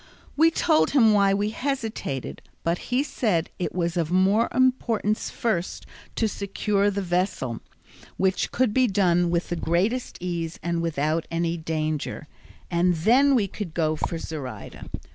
We told him why we hesitated, but he said it was of more importance first to secure the vessel, which could be done with the greatest ease and without any danger, and then we could go for Zoraida.